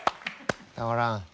たまらん。